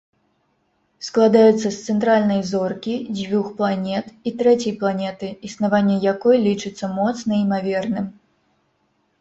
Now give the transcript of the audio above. Складаецца з цэнтральнай зоркі, дзвюх планет, і трэцяй планеты, існаванне якой лічыцца моцна імаверным.